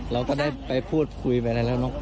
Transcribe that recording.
เราก็ได้ไปพูดคุยแบนไรแล้วน้อง